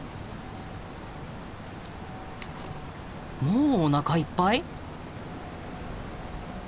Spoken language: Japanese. もうおなかいっぱい？